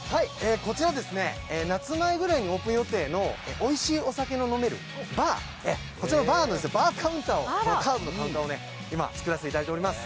こちら夏前ぐらいにオープン予定のおいしいお酒の飲めるバー、こちらのバーカウンター、カーブのカウンターを今、作らせていただいています。